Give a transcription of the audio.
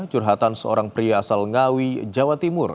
curhatan seorang pria asal ngawi jawa timur